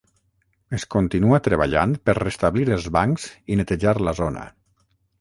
Es continua treballant per restablir els bancs i netejar la zona.